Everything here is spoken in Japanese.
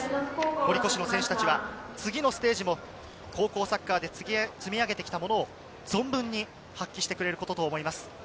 堀越の選手たちは次のステージも高校サッカーで積み上げてきたものを存分に発揮してくれることと思います。